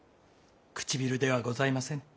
唇ではございません。